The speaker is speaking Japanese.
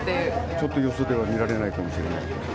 ちょっとよそでは見られないかもしれない。